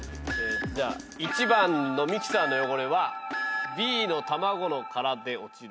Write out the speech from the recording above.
１番のミキサーの汚れはＢの卵の殻で落ちる。